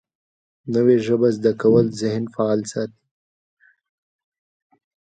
نوې ژبه زده کول ذهن فعال ساتي